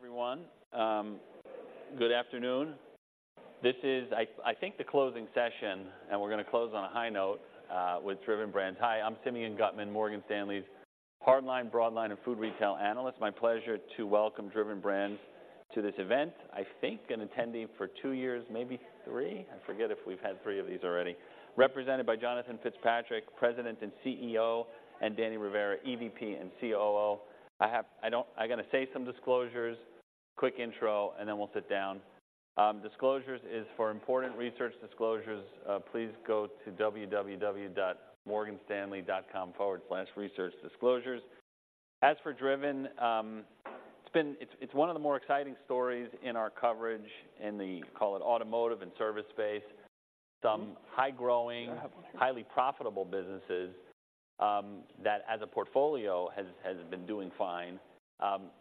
Hi, everyone. Good afternoon. This is, I think, the closing session, and we're gonna close on a high note with Driven Brands. Hi, I'm Simeon Gutman, Morgan Stanley's hardline, broadline, and food retail analyst. My pleasure to welcome Driven Brands to this event. I think been attending for two years, maybe three. I forget if we've had three of these already. Represented by Jonathan Fitzpatrick, President and CEO, and Danny Rivera, EVP and COO. I'm gonna say some disclosures, quick intro, and then we'll sit down. Disclosures is for important research disclosures, please go to www.morganstanley.com/researchdisclosures. As for Driven, it's been, it's one of the more exciting stories in our coverage in the, call it, automotive and service space. Some high-growing, highly profitable businesses, that, as a portfolio, has been doing fine.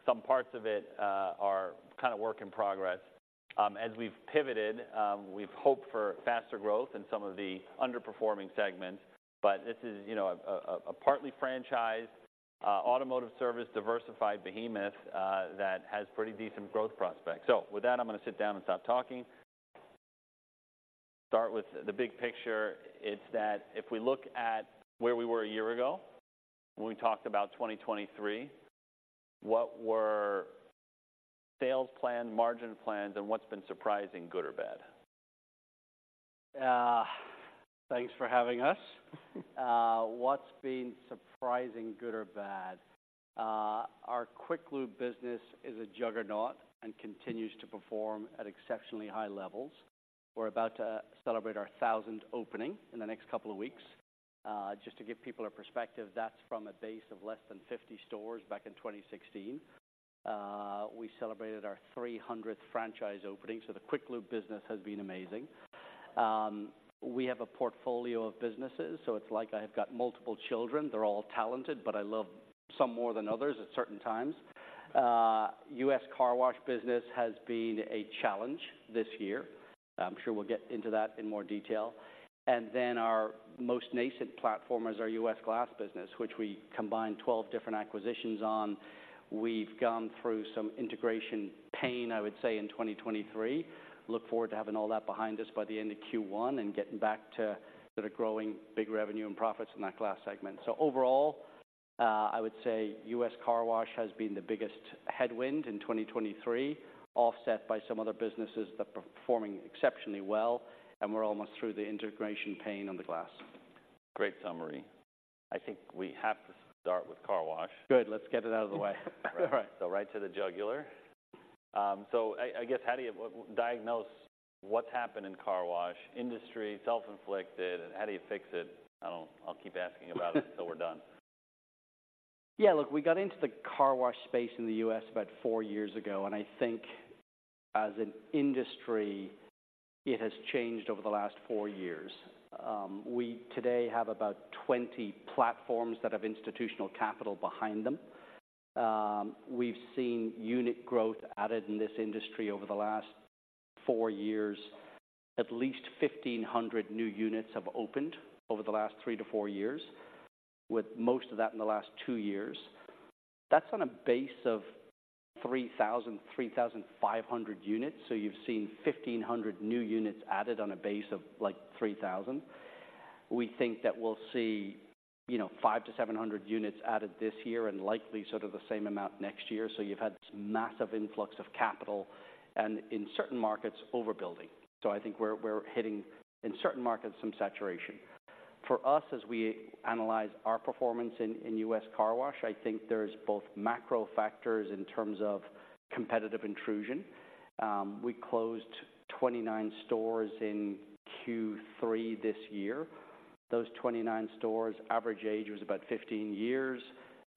Some parts of it are kind of work in progress. As we've pivoted, we've hoped for faster growth in some of the underperforming segments, but this is, you know, a partly franchised automotive service, diversified behemoth that has pretty decent growth prospects. So with that, I'm gonna sit down and stop talking. Start with the big picture. It's that if we look at where we were a year ago, when we talked about 2023, what were sales plan, margin plans, and what's been surprising, good or bad? Thanks for having us. What's been surprising, good or bad? Our Quick Lube business is a juggernaut and continues to perform at exceptionally high levels. We're about to celebrate our 1,000th opening in the next couple of weeks. Just to give people a perspective, that's from a base of less than 50 stores back in 2016. We celebrated our 300th franchise opening, so the Quick Lube business has been amazing. We have a portfolio of businesses, so it's like I've got multiple children. They're all talented, but I love some more than others at certain times. US Car Wash business has been a challenge this year. I'm sure we'll get into that in more detail. And then, our most nascent platform is our US Glass business, which we combined 12 different acquisitions on. We've gone through some integration pain, I would say, in 2023. Look forward to having all that behind us by the end of Q1 and getting back to sort of growing big revenue and profits in that Glass segment. So overall, I would say U.S. Car Wash has been the biggest headwind in 2023, offset by some other businesses that are performing exceptionally well, and we're almost through the integration pain on the Glass. Great summary. I think we have to start with Car Wash. Good, let's get it out of the way. Right. So right to the jugular. So I guess, how do you diagnose what's happened in the car wash industry, self-inflicted, and how do you fix it? I don't. I'll keep asking about it until we're done. Yeah, look, we got into the car wash space in the U.S. about 4 years ago, and I think as an industry, it has changed over the last 4 years. We today have about 20 platforms that have institutional capital behind them. We've seen unit growth added in this industry over the last 4 years. At least 1,500 new units have opened over the last 3-4 years, with most of that in the last 2 years. That's on a base of 3,000-3,500 units, so you've seen 1,500 new units added on a base of, like, 3,000. We think that we'll see, you know, 500-700 units added this year and likely sort of the same amount next year. So you've had this massive influx of capital and, in certain markets, overbuilding. So I think we're hitting in certain markets some saturation. For us, as we analyze our performance in U.S. Car Wash, I think there's both macro factors in terms of competitive intrusion. We closed 29 stores in Q3 this year. Those 29 stores' average age was about 15 years.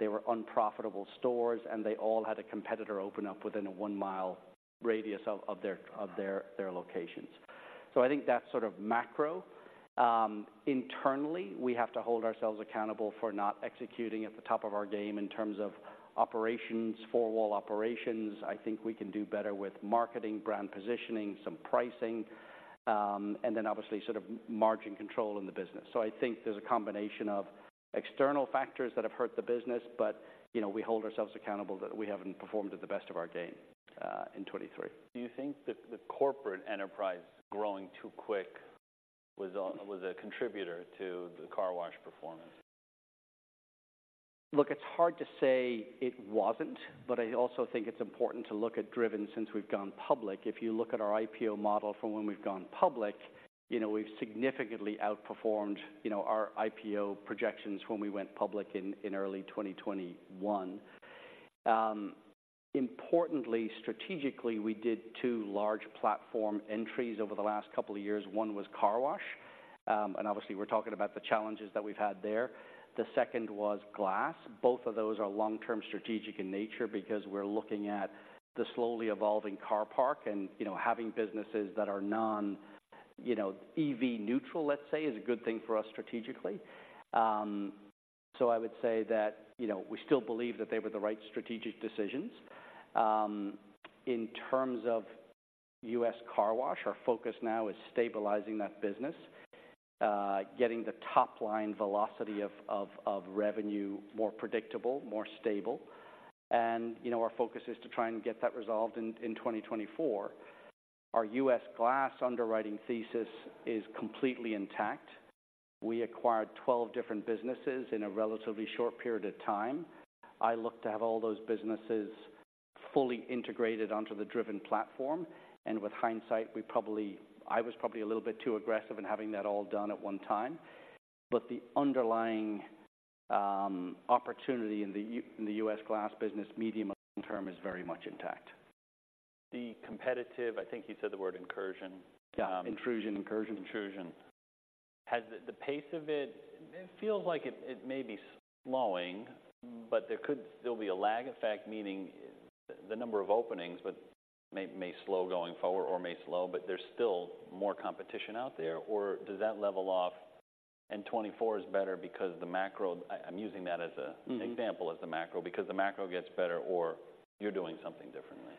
They were unprofitable stores, and they all had a competitor open up within a 1-mile radius of their locations. So I think that's sort of macro. Internally, we have to hold ourselves accountable for not executing at the top of our game in terms of operations, four-wall operations. I think we can do better with marketing, brand positioning, some pricing, and then obviously, sort of margin control in the business. I think there's a combination of external factors that have hurt the business, but, you know, we hold ourselves accountable that we haven't performed at the best of our game in 2023. Do you think that the corporate enterprise growing too quick was a contributor to the car wash performance? Look, it's hard to say it wasn't, but I also think it's important to look at Driven since we've gone public. If you look at our IPO model from when we've gone public, you know, we've significantly outperformed, you know, our IPO projections when we went public in early 2021. Importantly, strategically, we did two large platform entries over the last couple of years. One was Car Wash, and obviously, we're talking about the challenges that we've had there. The second was Glass. Both of those are long-term strategic in nature because we're looking at the slowly evolving car park and, you know, having businesses that are non, you know, EV neutral, let's say, is a good thing for us strategically. So I would say that, you know, we still believe that they were the right strategic decisions. In terms of U.S. Car Wash, our focus now is stabilizing that business, getting the top-line velocity of revenue more predictable, more stable. You know, our focus is to try and get that resolved in 2024. Our U.S. Glass underwriting thesis is completely intact. We acquired 12 different businesses in a relatively short period of time. I look to have all those businesses fully integrated onto the Driven platform, and with hindsight, we probably... I was probably a little bit too aggressive in having that all done at one time. But the underlying opportunity in the U.S. Glass business, medium to long term, is very much intact. The competitive, I think you said the word incursion. Yeah, intrusion. Incursion. Intrusion. Has the pace of it feel like it may be slowing, but there could still be a lag effect, meaning the number of openings but may slow going forward or may slow, but there's still more competition out there. Or does that level off and 2024 is better because the macro... I'm using that as a- Mm-hmm... example, as the macro, because the macro gets better or you're doing something differently?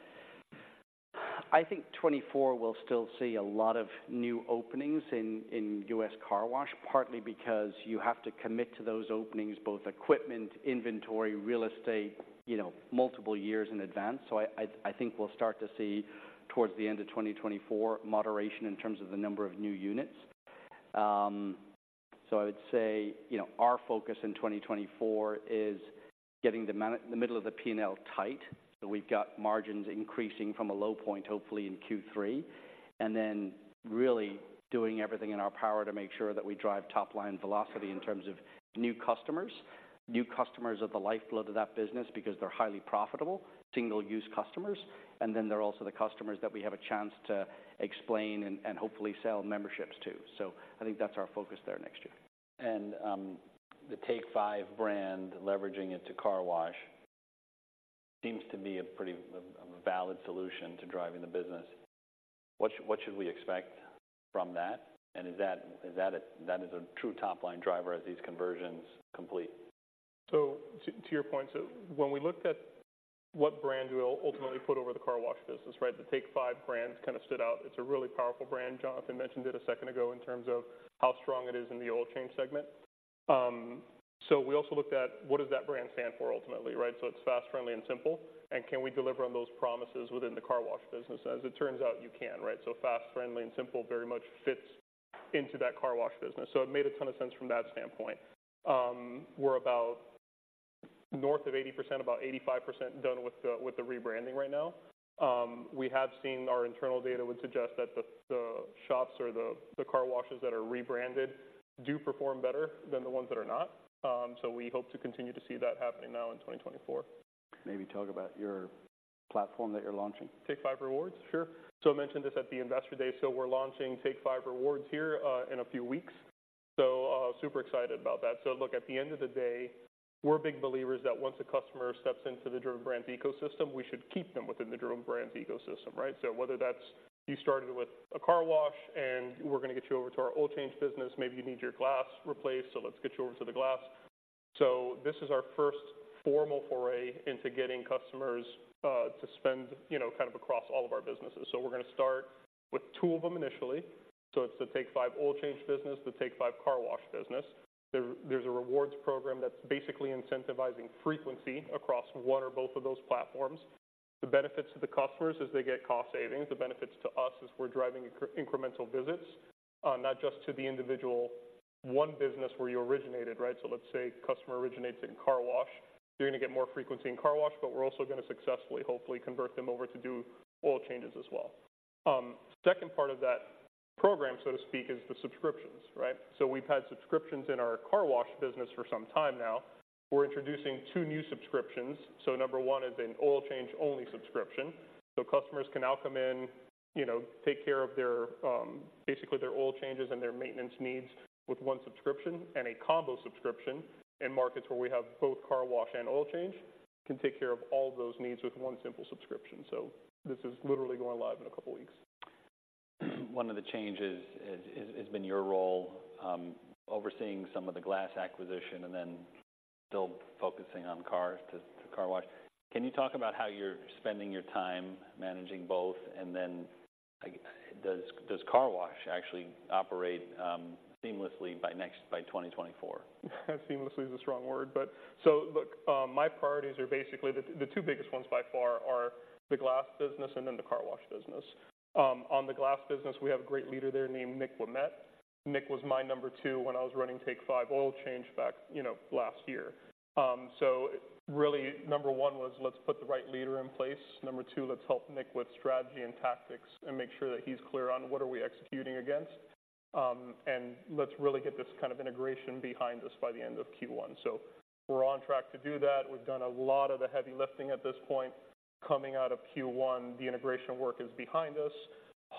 I think 2024 will still see a lot of new openings in US car wash, partly because you have to commit to those openings, both equipment, inventory, real estate, you know, multiple years in advance. So I think we'll start to see towards the end of 2024, moderation in terms of the number of new units. So I would say, you know, our focus in 2024 is getting the middle of the P&L tight, so we've got margins increasing from a low point, hopefully in Q3, and then really doing everything in our power to make sure that we drive top line velocity in terms of new customers. New customers are the lifeblood of that business because they're highly profitable, single-use customers, and then they're also the customers that we have a chance to explain and hopefully sell memberships to. So I think that's our focus there next year. The Take 5 brand, leveraging it to car wash, seems to be a pretty, a valid solution to driving the business. What should, what should we expect from that? And is that, is that a... That is a true top-line driver as these conversions complete? So to your point, when we looked at what brand we'll ultimately put over the car wash business, right? The Take 5 brand kind of stood out. It's a really powerful brand. Jonathan mentioned it a second ago in terms of how strong it is in the oil change segment. So we also looked at what does that brand stand for ultimately, right? So it's fast, friendly, and simple, and can we deliver on those promises within the car wash business? As it turns out, you can, right? So fast, friendly, and simple, very much fits into that car wash business. So it made a ton of sense from that standpoint. We're about north of 80%, about 85% done with the rebranding right now. We have seen our internal data would suggest that the shops or the car washes that are rebranded do perform better than the ones that are not. So we hope to continue to see that happening now in 2024. Maybe talk about your platform that you're launching. Take 5 Rewards? Sure. So I mentioned this at the Investor Day. So we're launching Take 5 Rewards here in a few weeks. So, super excited about that. So look, at the end of the day, we're big believers that once a customer steps into the Driven Brands ecosystem, we should keep them within the Driven Brands ecosystem, right? So whether that's you started with a car wash, and we're gonna get you over to our oil change business, maybe you need your glass replaced, so let's get you over to the glass. So this is our first formal foray into getting customers to spend, you know, kind of across all of our businesses. So we're gonna start with two of them initially. So it's the Take 5 Oil Change business, the Take 5 Car Wash business. There's a rewards program that's basically incentivizing frequency across one or both of those platforms. The benefits to the customers is they get cost savings. The benefits to us is we're driving incremental visits, not just to the individual, one business where you originated, right? So let's say customer originates in car wash, you're gonna get more frequency in car wash, but we're also gonna successfully, hopefully, convert them over to do oil changes as well. Second part of that program, so to speak, is the subscriptions, right? So we've had subscriptions in our car wash business for some time now. We're introducing two new subscriptions. So number one is an oil change-only subscription. So customers can now come in, you know, take care of their, basically, their oil changes and their maintenance needs with one subscription, and a combo subscription in markets where we have both car wash and oil change, can take care of all those needs with one simple subscription. So this is literally going live in a couple of weeks. One of the changes has been your role overseeing some of the glass acquisition and then still focusing on CARSTAR to car wash. Can you talk about how you're spending your time managing both, and then, like, does car wash actually operate seamlessly by 2024? Seamlessly is a strong word, but... So look, my priorities are basically, the two biggest ones by far are the glass business and then the car wash business. On the glass business, we have a great leader there named Nick Ouimet. Nick was my number two when I was running Take 5 Oil Change back, you know, last year. So really, number one was, let's put the right leader in place. Number two, let's help Nick with strategy and tactics and make sure that he's clear on what are we executing against. And let's really get this kind of integration behind us by the end of Q1. So we're on track to do that. We've done a lot of the heavy lifting at this point. Coming out of Q1, the integration work is behind us.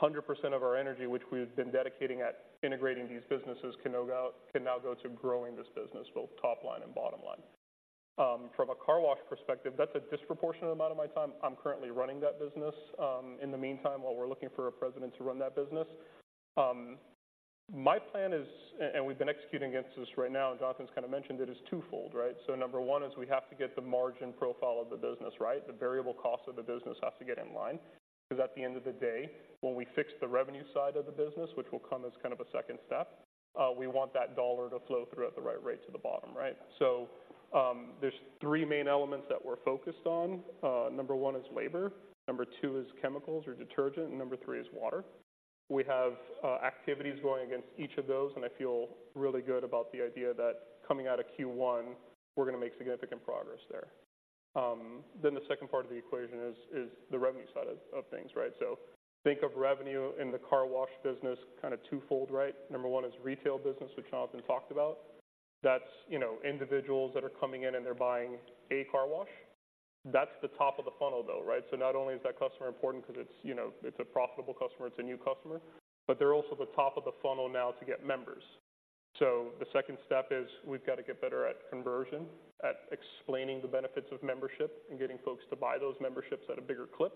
100% of our energy, which we've been dedicating at integrating these businesses, can now go, can now go to growing this business, both top line and bottom line. From a car wash perspective, that's a disproportionate amount of my time. I'm currently running that business, in the meantime, while we're looking for a president to run that business. My plan is, and, and we've been executing against this right now, and Jonathan's kind of mentioned it, is twofold, right? So number one is we have to get the margin profile of the business right. The variable cost of the business has to get in line, because at the end of the day, when we fix the revenue side of the business, which will come as kind of a second step, we want that dollar to flow through at the right rate to the bottom, right? So, there's three main elements that we're focused on. Number 1 is labor, number 2 is chemicals or detergent, and number 3 is water. We have activities going against each of those, and I feel really good about the idea that coming out of Q1, we're gonna make significant progress there. Then the second part of the equation is the revenue side of things, right? So think of revenue in the car wash business, kind of twofold, right? Number 1 is retail business, which Jonathan talked about. That's, you know, it's a profitable customer, it's a new customer, but they're also the top of the funnel now to get members. So the second step is we've got to get better at conversion, at explaining the benefits of membership and getting folks to buy those memberships at a bigger clip.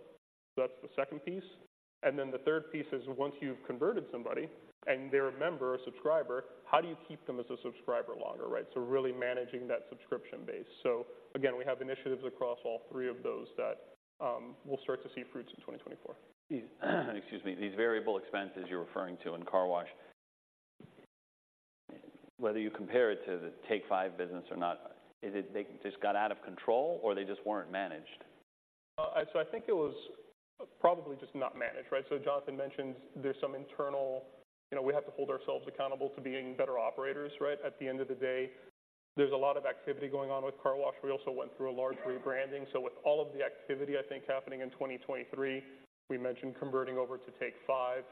That's the second piece, and then the third piece is, once you've converted somebody and they're a member or subscriber, how do you keep them as a subscriber longer, right? So really managing that subscription base. So again, we have initiatives across all three of those that we'll start to see fruits in 2024. Excuse me. These variable expenses you're referring to in car wash, whether you compare it to the Take 5 business or not, is it they just got out of control or they just weren't managed? So I think it was probably just not managed, right? So Jonathan mentioned there's some internal... You know, we have to hold ourselves accountable to being better operators, right? At the end of the day, there's a lot of activity going on with car wash. We also went through a large rebranding. So with all of the activity, I think, happening in 2023, we mentioned converting over to Take 5,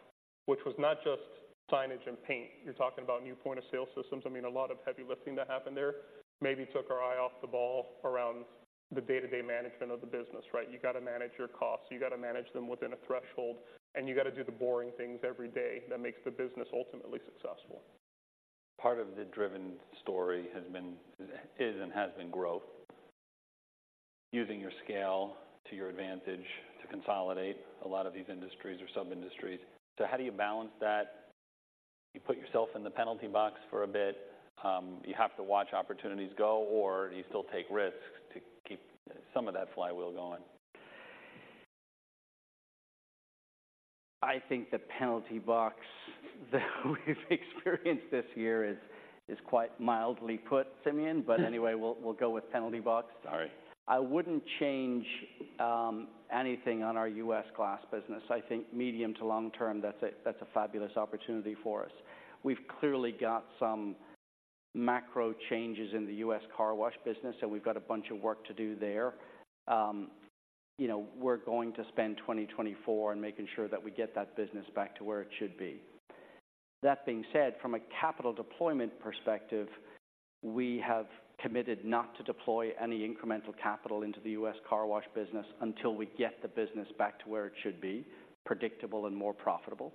which was not just signage and paint. You're talking about new point-of-sale systems. I mean, a lot of heavy lifting that happened there. Maybe took our eye off the ball around the day-to-day management of the business, right? You got to manage your costs, you got to manage them within a threshold, and you got to do the boring things every day that makes the business ultimately successful. Part of the Driven story is and has been growth, using your scale to your advantage to consolidate a lot of these industries or sub-industries. So how do you balance that? You put yourself in the penalty box for a bit, you have to watch opportunities go, or do you still take risks to keep some of that flywheel going? I think the penalty box that we've experienced this year is quite mildly put, Simeon, but anyway, we'll go with penalty box. All right. I wouldn't change anything on our U.S. glass business. I think medium to long term, that's a fabulous opportunity for us. We've clearly got some macro changes in the U.S. car wash business, and we've got a bunch of work to do there. You know, we're going to spend 2024 in making sure that we get that business back to where it should be. That being said, from a capital deployment perspective, we have committed not to deploy any incremental capital into the U.S. car wash business until we get the business back to where it should be, predictable and more profitable.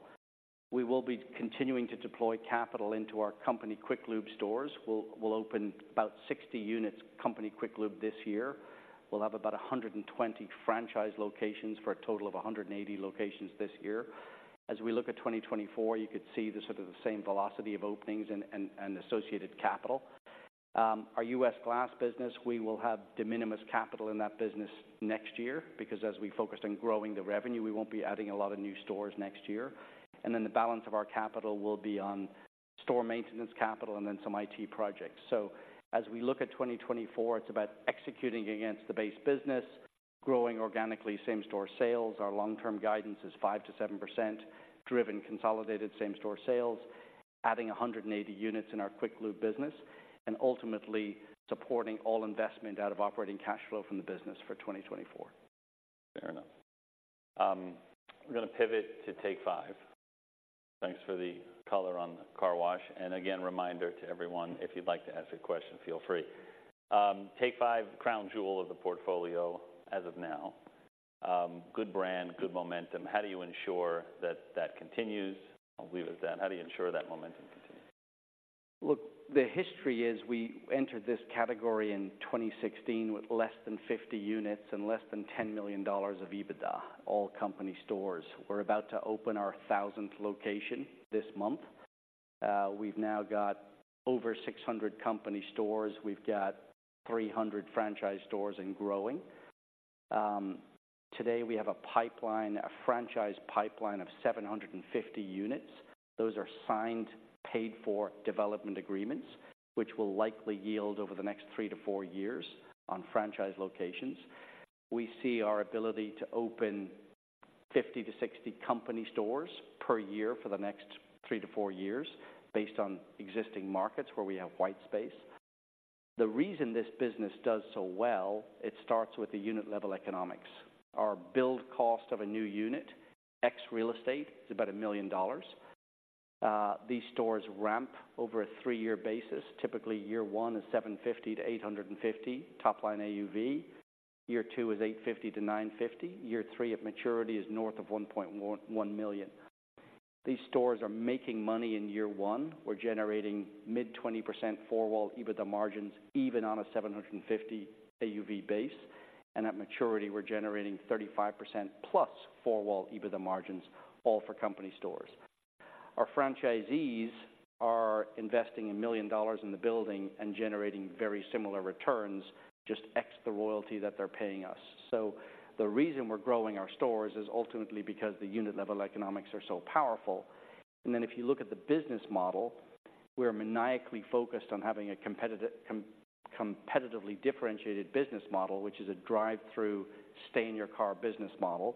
We will be continuing to deploy capital into our company Quick Lube stores. We'll open about 60 units, company Quick Lube, this year. We'll have about 120 franchise locations for a total of 180 locations this year. As we look at 2024, you could see the sort of the same velocity of openings and associated capital. Our US glass business, we will have de minimis capital in that business next year, because as we focus on growing the revenue, we won't be adding a lot of new stores next year. And then the balance of our capital will be on store maintenance capital and then some IT projects. So as we look at 2024, it's about executing against the base business, growing organically same-store sales. Our long-term guidance is 5%-7% Driven consolidated same-store sales, adding 180 units in our Quick Lube business, and ultimately supporting all investment out of operating cash flow from the business for 2024. Fair enough. We're gonna pivot to Take 5. Thanks for the color on the car wash. And again, reminder to everyone, if you'd like to ask a question, feel free. Take 5, crown jewel of the portfolio as of now. Good brand, good momentum. How do you ensure that that continues? I'll leave it at that. How do you ensure that momentum continues? Look, the history is we entered this category in 2016 with less than 50 units and less than $10 million of EBITDA, all company stores. We're about to open our 1,000th location this month. We've now got over 600 company stores. We've got 300 franchise stores and growing. Today we have a pipeline, a franchise pipeline of 750 units. Those are signed, paid-for development agreements, which will likely yield over the next 3-4 years on franchise locations. We see our ability to open 50-60 company stores per year for the next 3-4 years, based on existing markets where we have white space. The reason this business does so well, it starts with the unit-level economics. Our build cost of a new unit, ex real estate, is about $1 million. These stores ramp over a three-year basis. Typically, year one is $750-$850 top-line AUV. Year two is $850-$950. Year three at maturity is north of $1.11 million. These stores are making money in year one. We're generating mid-20% four-wall EBITDA margins, even on a $750 AUV base, and at maturity, we're generating 35%+ four-wall EBITDA margins, all for company stores. Our franchisees are investing $1 million in the building and generating very similar returns, just X the royalty that they're paying us. So the reason we're growing our stores is ultimately because the unit level economics are so powerful. Then if you look at the business model, we're maniacally focused on having a competitive, competitively differentiated business model, which is a drive-through, stay-in-your-car business model.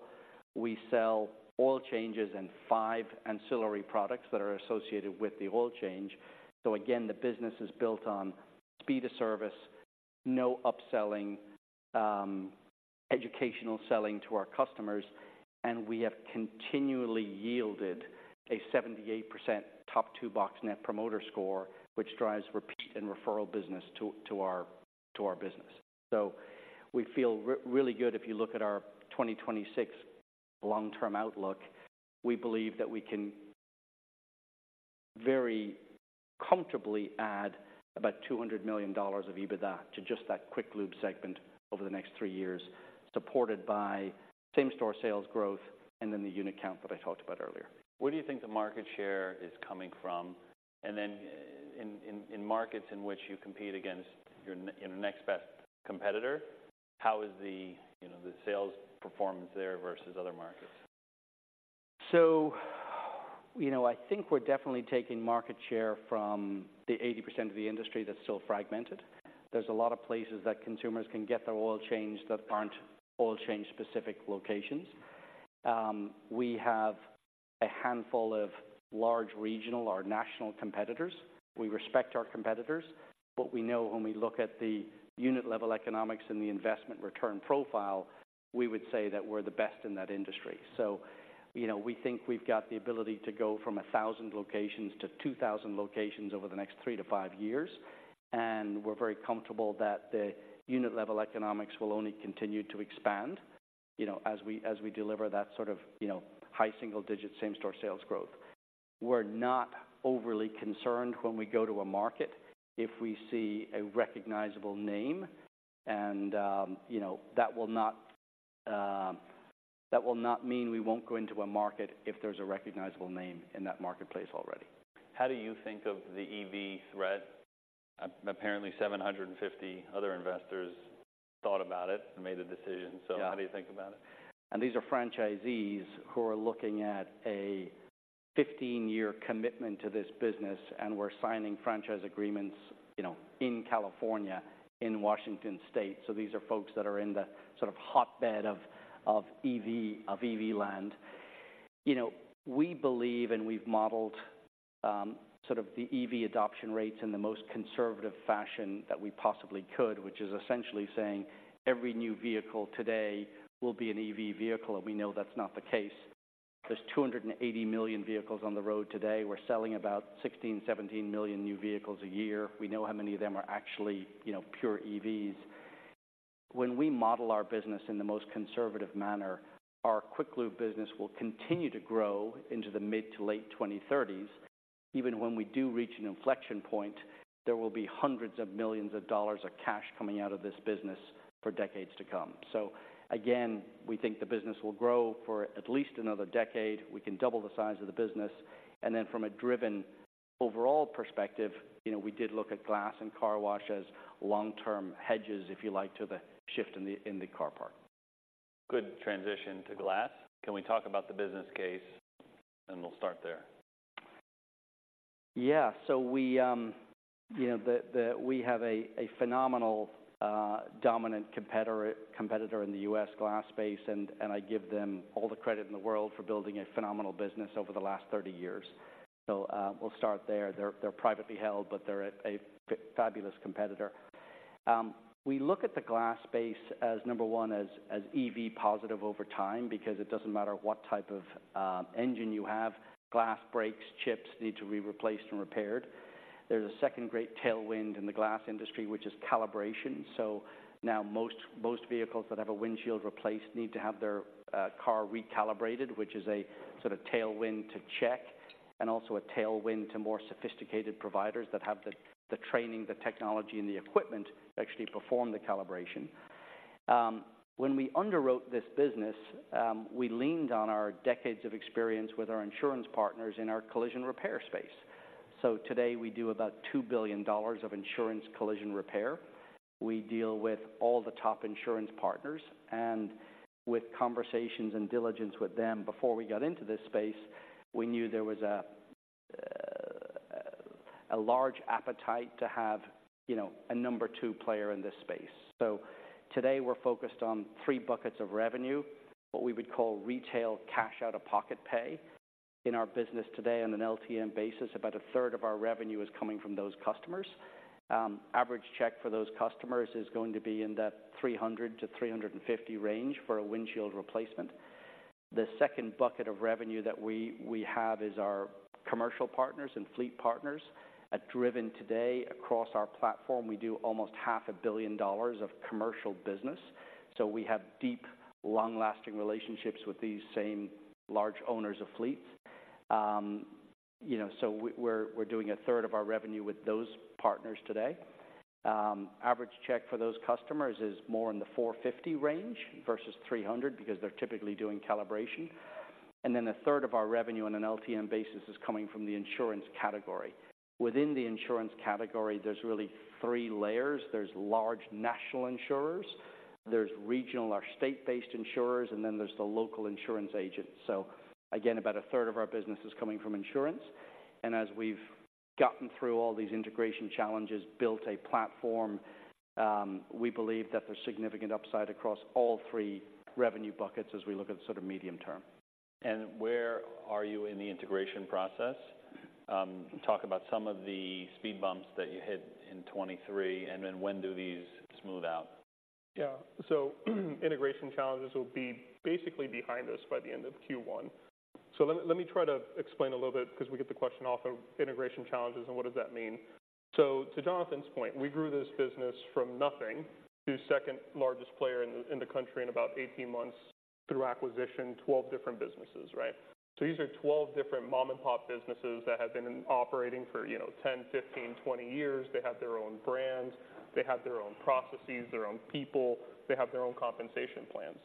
We sell oil changes and five ancillary products that are associated with the oil change. So again, the business is built on speed of service, no upselling, educational selling to our customers, and we have continually yielded a 78% top two box Net Promoter Score, which drives repeat and referral business to, to our, to our business. So we feel really good. If you look at our 2026 long-term outlook, we believe that we can very comfortably add about $200 million of EBITDA to just that Quick Lube segment over the next three years, supported by same-store sales growth and then the unit count that I talked about earlier. Where do you think the market share is coming from? And then in markets in which you compete against your next best competitor, how is the, you know, the sales performance there versus other markets? So, you know, I think we're definitely taking market share from the 80% of the industry that's still fragmented. There's a lot of places that consumers can get their oil changed that aren't oil change-specific locations. We have a handful of large regional or national competitors. We respect our competitors, but we know when we look at the unit level economics and the investment return profile, we would say that we're the best in that industry. So, you know, we think we've got the ability to go from 1,000 locations to 2,000 locations over the next 3-5 years, and we're very comfortable that the unit level economics will only continue to expand, you know, as we, as we deliver that sort of, you know, high single-digit same-store sales growth. We're not overly concerned when we go to a market, if we see a recognizable name, and, you know, that will not mean we won't go into a market if there's a recognizable name in that marketplace already. How do you think of the EV threat? Apparently, 750 other investors thought about it and made a decision. Yeah. So how do you think about it? These are franchisees who are looking at a 15-year commitment to this business, and we're signing franchise agreements, you know, in California, in Washington State. So these are folks that are in the sort of hotbed of EV land. You know, we believe, and we've modeled sort of the EV adoption rates in the most conservative fashion that we possibly could, which is essentially saying every new vehicle today will be an EV vehicle, and we know that's not the case. There's 280 million vehicles on the road today. We're selling about 16-17 million new vehicles a year. We know how many of them are actually, you know, pure EVs. When we model our business in the most conservative manner, our Quick Lube business will continue to grow into the mid- to late 2030s. Even when we do reach an inflection point, there will be $hundreds of millions of cash coming out of this business for decades to come. So again, we think the business will grow for at least another decade. We can double the size of the business, and then from a Driven overall perspective, you know, we did look at glass and car wash as long-term hedges, if you like, to the shift in the car park. Good transition to glass. Can we talk about the business case? We'll start there. Yeah. So we, you know, we have a phenomenal dominant competitor in the U.S. glass space, and I give them all the credit in the world for building a phenomenal business over the last 30 years. So, we'll start there. They're privately held, but they're a fabulous competitor. We look at the glass space as number one, as EV positive over time, because it doesn't matter what type of engine you have, glass breaks, chips need to be replaced and repaired. There's a second great tailwind in the glass industry, which is calibration. So now most vehicles that have a windshield replaced need to have their car recalibrated, which is a sort of tailwind to check, and also a tailwind to more sophisticated providers that have the training, the technology, and the equipment to actually perform the calibration. When we underwrote this business, we leaned on our decades of experience with our insurance partners in our collision repair space. So today, we do about $2 billion of insurance collision repair. We deal with all the top insurance partners and with conversations and diligence with them before we got into this space, we knew there was a large appetite to have, you know, a number two player in this space. So today, we're focused on three buckets of revenue, what we would call retail cash out-of-pocket pay. In our business today, on an LTM basis, about a third of our revenue is coming from those customers. Average check for those customers is going to be in that $300-$350 range for a windshield replacement. The second bucket of revenue that we have is our commercial partners and fleet partners. At Driven today, across our platform, we do almost $500 million of commercial business, so we have deep, long-lasting relationships with these same large owners of fleets. You know, so we're doing a third of our revenue with those partners today. Average check for those customers is more in the $450 range versus $300, because they're typically doing calibration. And then a third of our revenue on an LTM basis is coming from the insurance category. Within the insurance category, there's really three layers. There's large national insurers, there's regional or state-based insurers, and then there's the local insurance agents. So again, about a third of our business is coming from insurance, and as we've gotten through all these integration challenges, built a platform, we believe that there's significant upside across all three revenue buckets as we look at the sort of medium term. Where are you in the integration process? Talk about some of the speed bumps that you hit in 2023, and then when do these smooth out? Yeah. So integration challenges will be basically behind us by the end of Q1. So let me, let me try to explain a little bit, because we get the question off of integration challenges and what does that mean? So to Jonathan's point, we grew this business from nothing to second largest player in the, in the country in about 18 months through acquisition, 12 different businesses, right? So these are 12 different mom-and-pop businesses that have been operating for, you know, 10, 15, 20 years. They have their own brands, they have their own processes, their own people, they have their own compensation plans.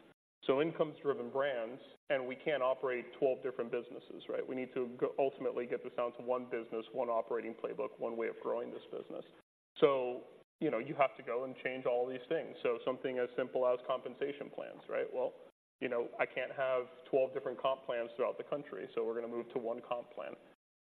So, in comes Driven Brands, and we can't operate 12 different businesses, right? We need to go, ultimately get this down to one business, one operating playbook, one way of growing this business. So, you know, you have to go and change all these things. So something as simple as compensation plans, right? Well, you know, I can't have 12 different comp plans throughout the country, so we're gonna move to one comp plan.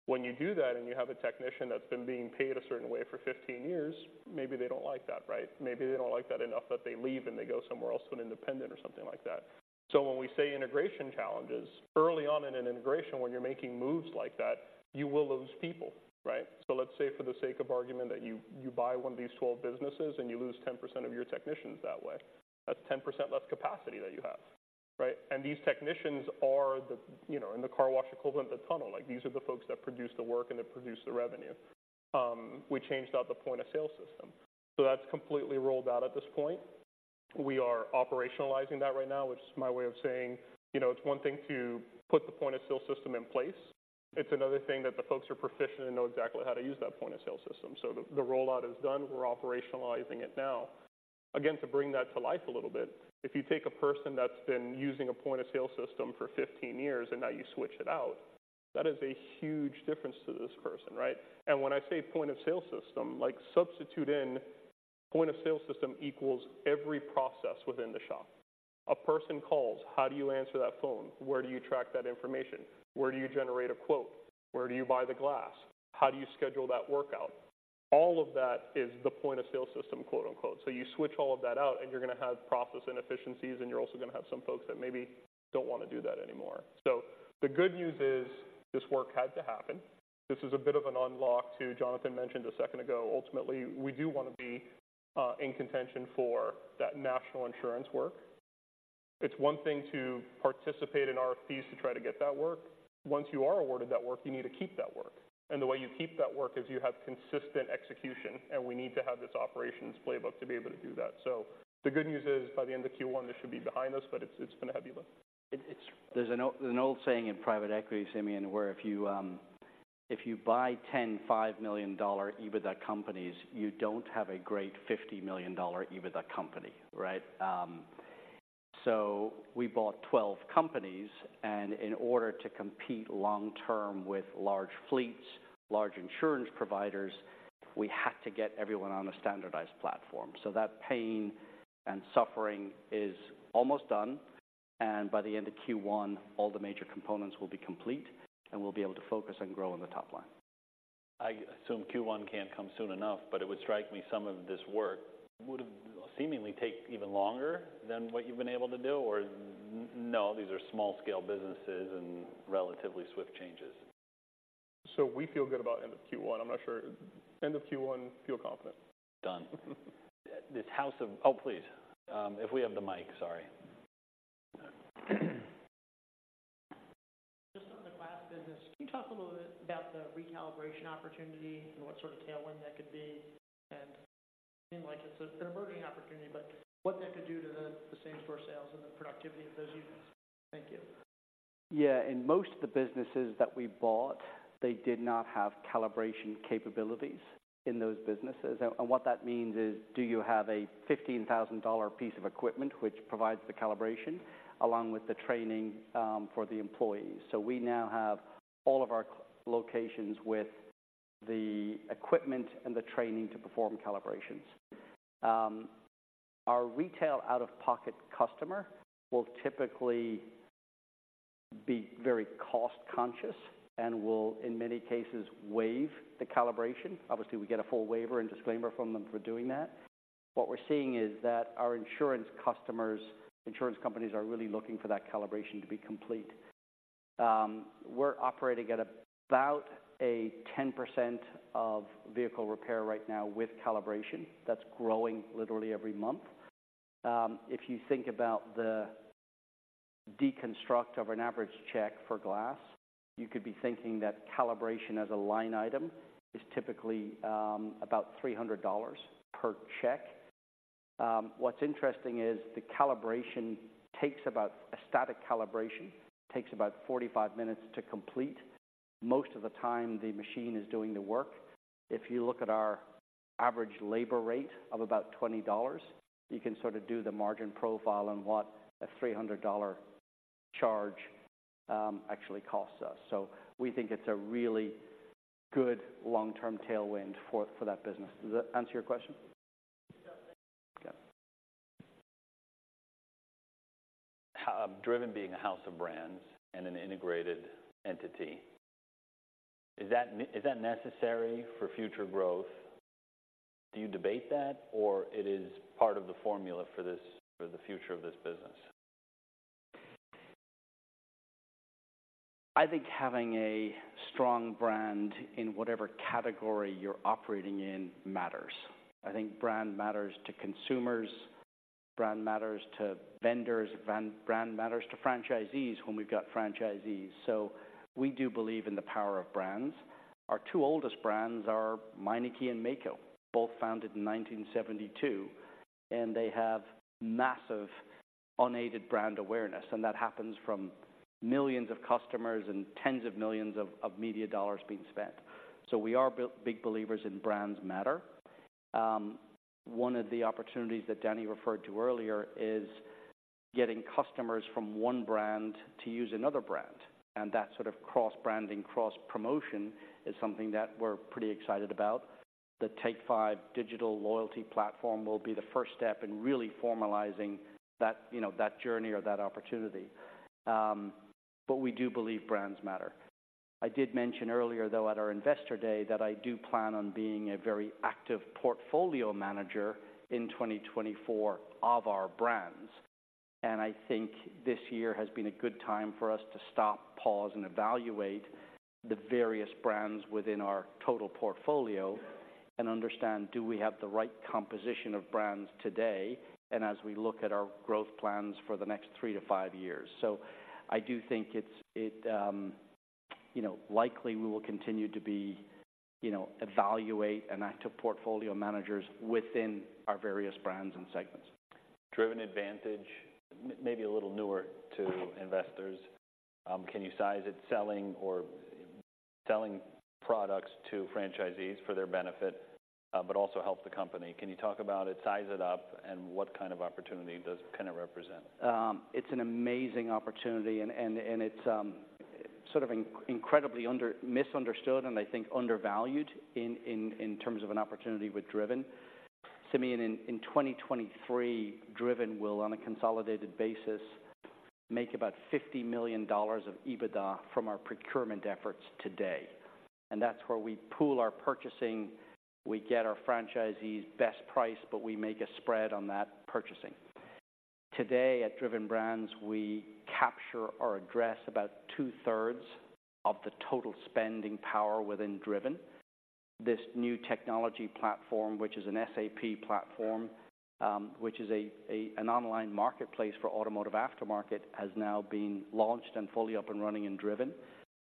When you do that, and you have a technician that's been being paid a certain way for 15 years, maybe they don't like that, right? Maybe they don't like that enough that they leave and they go somewhere else, to an independent or something like that. So when we say integration challenges, early on in an integration, when you're making moves like that, you will lose people, right? So let's say, for the sake of argument, that you, you buy one of these 12 businesses and you lose 10% of your technicians that way. That's 10% less capacity that you have, right? And these technicians are the, you know, in the car wash equivalent, the tunnel. Like, these are the folks that produce the work and that produce the revenue. We changed out the point-of-sale system, so that's completely rolled out at this point. We are operationalizing that right now, which is my way of saying, you know, it's one thing to put the point-of-sale system in place. It's another thing that the folks are proficient and know exactly how to use that point-of-sale system. So the rollout is done. We're operationalizing it now. Again, to bring that to life a little bit, if you take a person that's been using a point-of-sale system for 15 years and now you switch it out, that is a huge difference to this person, right? And when I say point-of-sale system, like substitute in point-of-sale system equals every process within the shop. A person calls, how do you answer that phone? Where do you track that information? Where do you generate a quote? Where do you buy the glass? How do you schedule that work out? All of that is the "point-of-sale system," quote, unquote. So you switch all of that out, and you're gonna have process inefficiencies, and you're also gonna have some folks that maybe don't want to do that anymore. So the good news is, this work had to happen. This is a bit of an unlock that Jonathan mentioned a second ago. Ultimately, we do want to be in contention for that national insurance work. It's one thing to participate in RFPs to try to get that work. Once you are awarded that work, you need to keep that work. And the way you keep that work is you have consistent execution, and we need to have this operations playbook to be able to do that. The good news is, by the end of Q1, this should be behind us, but it's been a heavy lift. There's an old saying in private equity, Simeon, where if you buy 10 $5 million EBITDA companies, you don't have a great $50 million EBITDA company, right? So we bought 12 companies, and in order to compete long term with large fleets, large insurance providers, we had to get everyone on a standardized platform. So that pain and suffering is almost done, and by the end of Q1, all the major components will be complete, and we'll be able to focus and grow on the top line. I assume Q1 can't come soon enough, but it would strike me some of this work would seemingly take even longer than what you've been able to do, or no, these are small-scale businesses and relatively swift changes? So we feel good about end of Q1. I'm not sure... End of Q1, feel confident. Done. This house of... Oh, please, if we have the mic. Sorry. Just on the glass business, can you talk a little bit about the recalibration opportunity and what sort of tailwind that could be? And it seems like it's an emerging opportunity, but what that could do to the same-store sales and the productivity of those units? Thank you. Yeah. In most of the businesses that we bought, they did not have calibration capabilities in those businesses. And what that means is, do you have a $15,000 piece of equipment which provides the calibration, along with the training, for the employees? So we now have all of our collision locations with the equipment and the training to perform calibrations. Our retail out-of-pocket customer will typically be very cost conscious and will, in many cases, waive the calibration. Obviously, we get a full waiver and disclaimer from them for doing that. What we're seeing is that our insurance customers, insurance companies, are really looking for that calibration to be complete. We're operating at about a 10% of vehicle repair right now with calibration. That's growing literally every month. If you think about the deconstruct of an average check for glass, you could be thinking that calibration as a line item is typically about $300 per check. What's interesting is the calibration takes about—a static calibration, takes about 45 minutes to complete. Most of the time, the machine is doing the work. If you look at our average labor rate of about $20, you can sort of do the margin profile on what a $300 charge actually costs us. So we think it's a really good long-term tailwind for that business. Does that answer your question? It does. Thank you. Yeah. Driven being a house of brands and an integrated entity, is that necessary for future growth? Do you debate that, or it is part of the formula for this, for the future of this business? I think having a strong brand in whatever category you're operating in matters. I think brand matters to consumers, brand matters to vendors, brand, brand matters to franchisees, when we've got franchisees. So we do believe in the power of brands. Our two oldest brands are Meineke and Maaco, both founded in 1972, and they have massive unaided brand awareness, and that happens from millions of customers and tens of millions of media dollars being spent. So we are big believers in brands matter. One of the opportunities that Danny referred to earlier is getting customers from one brand to use another brand, and that sort of cross-branding, cross-promotion is something that we're pretty excited about. The Take 5 digital loyalty platform will be the first step in really formalizing that, you know, that journey or that opportunity. But we do believe brands matter. I did mention earlier, though, at our Investor Day, that I do plan on being a very active portfolio manager in 2024 of our brands. And I think this year has been a good time for us to stop, pause, and evaluate the various brands within our total portfolio, and understand, do we have the right composition of brands today, and as we look at our growth plans for the next 3-5 years. So I do think it's, you know, likely we will continue to be, you know, evaluate and active portfolio managers within our various brands and segments. Driven Advantage, maybe a little newer to investors. Can you size it selling or selling products to franchisees for their benefit, but also help the company? Can you talk about it, size it up, and what kind of opportunity does it kind of represent? It's an amazing opportunity, and it's sort of incredibly under-misunderstood, and I think undervalued in terms of an opportunity with Driven. Simeon, in 2023, Driven will, on a consolidated basis, make about $50 million of EBITDA from our procurement efforts today, and that's where we pool our purchasing. We get our franchisees best price, but we make a spread on that purchasing. Today, at Driven Brands, we capture or address about two-thirds of the total spending power within Driven. This new technology platform, which is an SAP platform, which is an online marketplace for automotive aftermarket, has now been launched and fully up and running in Driven.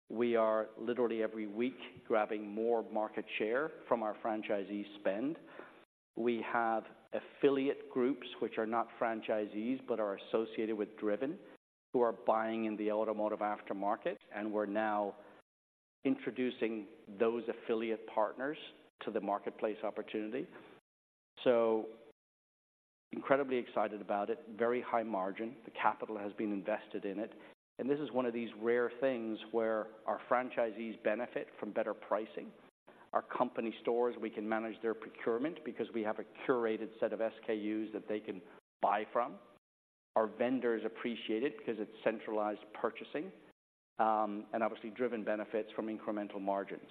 We are literally every week grabbing more market share from our franchisee spend. We have affiliate groups, which are not franchisees, but are associated with Driven, who are buying in the automotive aftermarket, and we're now introducing those affiliate partners to the marketplace opportunity. Incredibly excited about it. Very high margin. The capital has been invested in it, and this is one of these rare things where our franchisees benefit from better pricing. Our company stores, we can manage their procurement because we have a curated set of SKUs that they can buy from. Our vendors appreciate it because it's centralized purchasing, and obviously Driven benefits from incremental margins.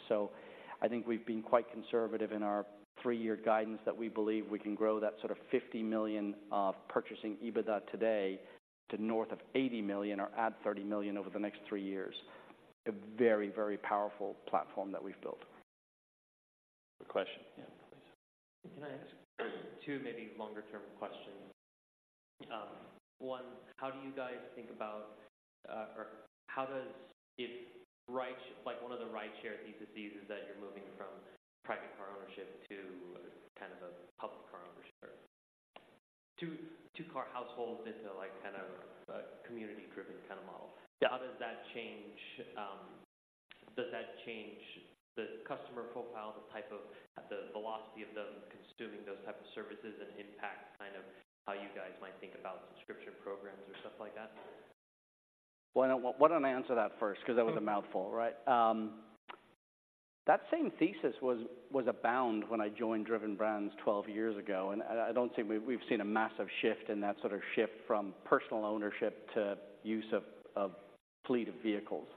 I think we've been quite conservative in our three-year guidance that we believe we can grow that sort of $50 million of purchasing EBITDA today to north of $80 million or add $30 million over the next three years. A very, very powerful platform that we've built. Question? Yeah, please. Can I ask two maybe longer-term questions? One, how do you guys think about, or how does... If rideshare—like, one of the rideshare thesis is that you're moving from private car ownership to kind of a public car ownership. Two, two-car households into, like, kind of a community-driven kind of model. How does that change, does that change the customer profile, the type of, the velocity of them consuming those type of services and impact kind of how you guys might think about subscription programs or stuff like that? Why don't I answer that first? 'Cause that was a mouthful, right. That same thesis was around when I joined Driven Brands 12 years ago, and I don't think we've seen a massive shift in that sort of shift from personal ownership to use of fleet of vehicles.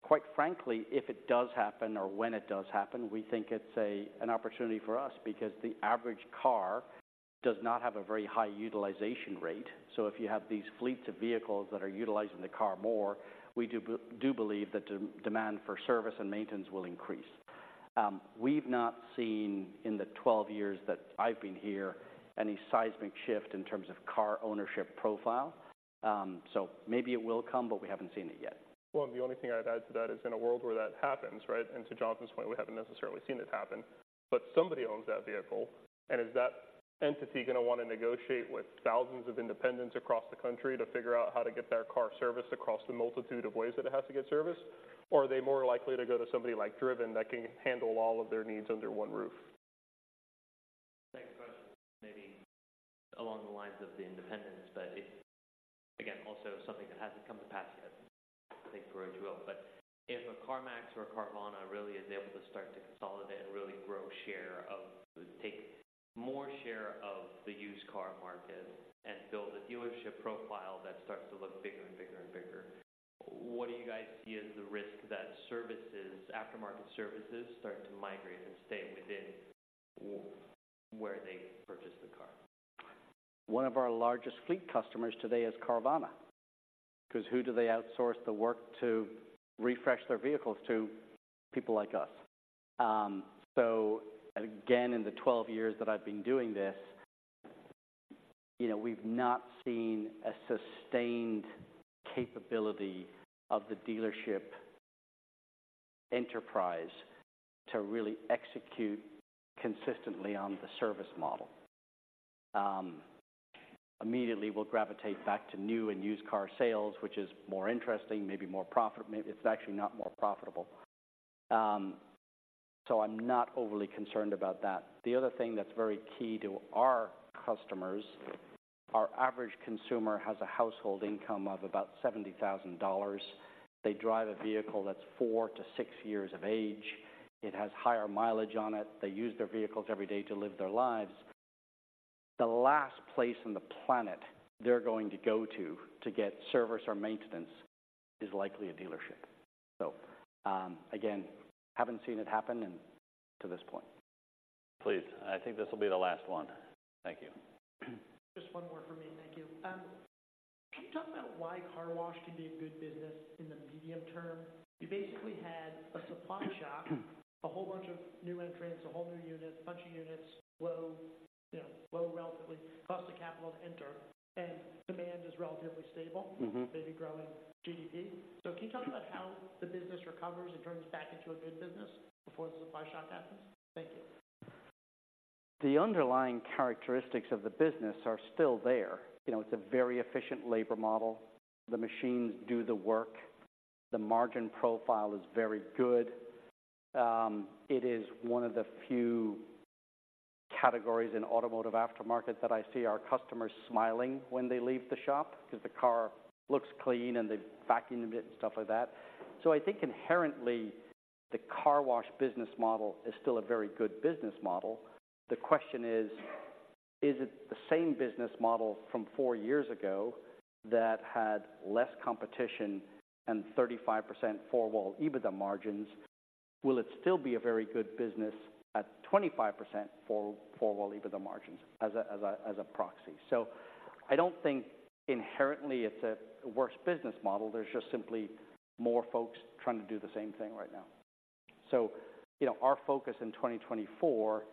Quite frankly, if it does happen or when it does happen, we think it's an opportunity for us, because the average car does not have a very high utilization rate. So if you have these fleets of vehicles that are utilizing the car more, we do believe that demand for service and maintenance will increase. We've not seen in the 12 years that I've been here any seismic shift in terms of car ownership profile. So maybe it will come, but we haven't seen it yet. Well, the only thing I'd add to that is in a world where that happens, right? And to Jonathan's point, we haven't necessarily seen it happen, but somebody owns that vehicle. And is that entity gonna wanna negotiate with thousands of independents across the country to figure out how to get their car serviced across the multitude of ways that it has to get serviced? Or are they more likely to go to somebody like Driven that can handle all of their needs under one roof? Next question, maybe along the lines of the independence, but it, again, also something that hasn't come to pass yet. Take for what you will, but if a CarMax or a Carvana really is able to start to consolidate and really grow share of—take more share of the used car market and build a dealership profile that starts to look bigger and bigger and bigger, what do you guys see as the risk that services, aftermarket services, start to migrate and stay within where they purchased the car? One of our largest fleet customers today is Carvana. Because who do they outsource the work to refresh their vehicles to? People like us. So again, in the 12 years that I've been doing this, you know, we've not seen a sustained capability of the dealership enterprise to really execute consistently on the service model. Immediately, we'll gravitate back to new and used car sales, which is more interesting, maybe more profit. Maybe it's actually not more profitable. So I'm not overly concerned about that. The other thing that's very key to our customers, our average consumer has a household income of about $70,000. They drive a vehicle that's 4-6 years of age. It has higher mileage on it. They use their vehicles every day to live their lives. The last place on the planet they're going to go to, to get service or maintenance is likely a dealership. So, again, haven't seen it happen and to this point. Please, I think this will be the last one. Thank you. Just one more for me. Thank you. Can you talk about why car wash can be a good business in the medium term? You basically had a supply shock, a whole bunch of new entrants, a whole new unit, a bunch of units, low, you know, low, relatively cost of capital to enter, and demand is relatively stable. Mm-hmm. Maybe growing GDP. So can you talk about how the business recovers and turns back into a good business before the supply shock happens? Thank you. The underlying characteristics of the business are still there. You know, it's a very efficient labor model. The machines do the work. The margin profile is very good. It is one of the few categories in automotive aftermarket that I see our customers smiling when they leave the shop because the car looks clean and they vacuum it and stuff like that. So I think inherently, the car wash business model is still a very good business model. The question is: Is it the same business model from four years ago that had less competition and 35% Four-Wall EBITDA margins? Will it still be a very good business at 25% Four-Wall EBITDA margins as a proxy? So I don't think inherently it's a worse business model. There's just simply more folks trying to do the same thing right now. So, you know, our focus in 2024,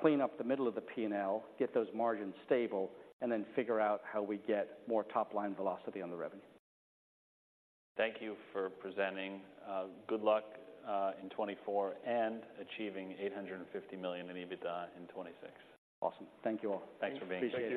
clean up the middle of the P&L, get those margins stable, and then figure out how we get more top-line velocity on the revenue. Thank you for presenting. Good luck in 2024 and achieving $850 million in EBITDA in 2026. Awesome. Thank you all. Thanks for being here. Appreciate it.